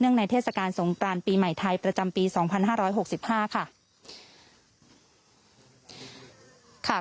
เนื่องในทศการสงครานปีใหม่ไทยประจำปี๒๕๖๕ค่ะ